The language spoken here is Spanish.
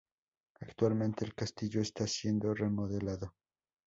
Actualmente, el castillo está siendo remodelado.